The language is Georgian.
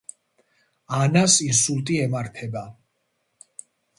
ანას ინსულტი ემართება.